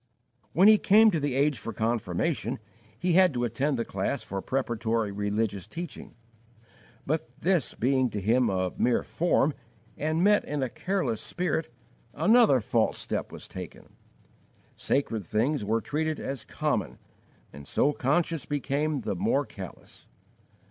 When he came to the age for confirmation He had to attend the class for preparatory religious teaching; but this being to him a mere form, and met in a careless spirit, another false step was taken: sacred things were treated as common, and so conscience became the more callous.